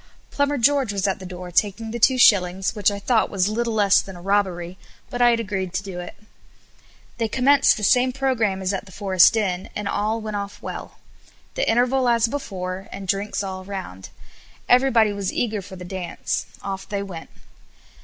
Plumber George was at the door taking the two shillings, which I thought was little less than a robbery, but I had agreed to do it. They commenced the same programme as at the Forest Inn, and all went off well. The interval as before, and drinks all round. Everybody was eager for the dance; off they went.